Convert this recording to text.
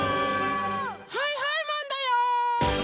はいはいマンだよー！